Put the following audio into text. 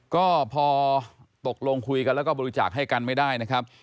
ก็พอตกลงคุยกันแล้วก็บริจาคให้กันไม่ได้นะครับ